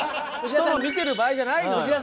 人の見てる場合じゃないのよ。